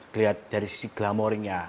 melihat dari sisi glamournya